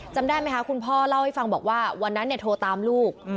จำได้ไหมคะคุณพ่อเล่าให้ฟังบอกว่าวันนั้นโทรตามลูก